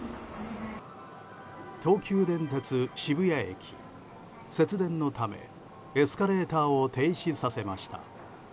東急電鉄渋谷駅節電のため、エスカレーターを停止させました。